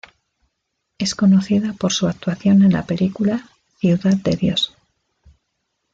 Es conocida por su actuación en la película "Ciudad de Dios".